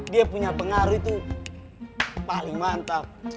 dia punya pengaruh itu paling mantap